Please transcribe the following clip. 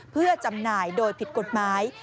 เพื่อจำหน่ายโดยผิดกฎหมาย